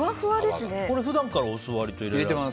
これ、普段からお酢は割と入れられて？